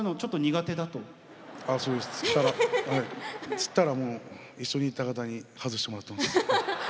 釣ったらもう一緒に行った方に外してもらってます。